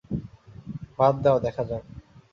বাদ দাউ, দেখা যাক।